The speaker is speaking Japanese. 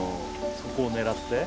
そこを狙って？